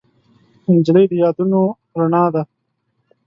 نجلۍ د یادونو رڼا ده.